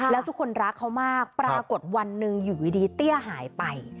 แล้วทุกคนรักเขามากปรากฏวันหนึ่งอยู่ดีเตี้ยหายไป